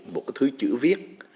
một cái thứ chữ viết